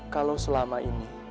kalau selama ini